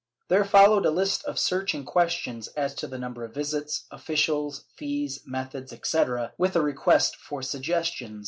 There followed a list of searching questions as to the number of visits, officials, fees, methods, etc., with a request for suggestions.